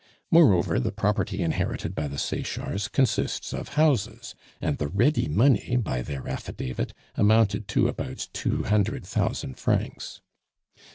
"Moreover, the property inherited by the Sechards consists of houses; and the ready money, by their affidavit, amounted to about two hundred thousand francs.